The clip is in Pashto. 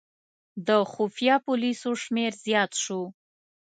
د خفیه پولیسو شمېر زیات شو.